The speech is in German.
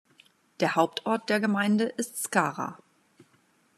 Der Hauptort der Gemeinde ist Skara.